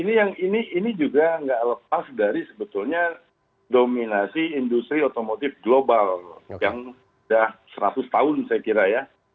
nah ini juga nggak lepas dari sebetulnya dominasi industri otomotif global yang sudah seratus tahun saya kira ya